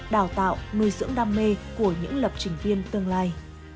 đào tạo nuôi dưỡng đam mê của những lập trình viên tương lai